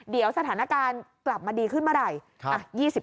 เดี๋ยวสถานการณ์กลับมาดีขึ้นเมื่อไหร่